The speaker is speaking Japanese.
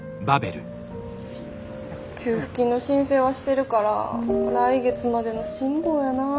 給付金の申請はしてるから来月までの辛抱やな。